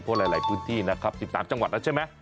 เพราะหลายพื้นที่นะครับติดตามจังหวัดน่ะใช่ไหม